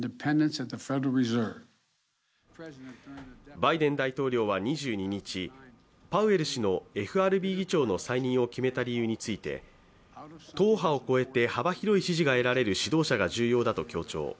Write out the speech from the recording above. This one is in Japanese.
バイデン大統領は２２日、パウエル氏のＦＲＢ議長の再任を決めた理由について党派を超えて幅広い支持が得られる指導者が重要だと強調。